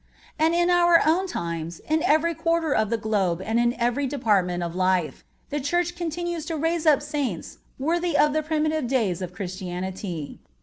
And in our own times, in every quarter of the globe and in every department of life, the Church continues to raise up Saints worthy of the primitive days of Christianity.